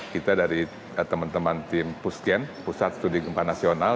kita dari teman teman tim pusgen pusat studi gempa nasional